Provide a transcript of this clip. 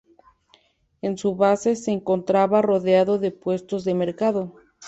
En su base se encontraba rodeado de puestos de mercado.